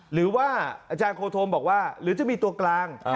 หรือว่าอาจารย์โคธมบอกว่าหรือจะมีตัวกลาง